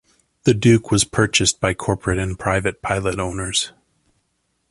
The Duke was purchased by corporate and private pilot owners.